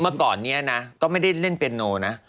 เมื่อก่อนนี้นะก็ไม่ได้เล่นเปียโนนะ